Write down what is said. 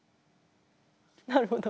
なるほど。